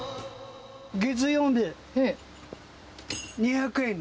月曜日、２００円に。